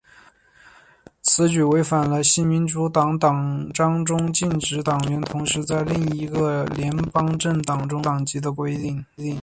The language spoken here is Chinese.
此举违反了新民主党党章中禁止党员同时在另一个联邦政党中持有党籍的规定。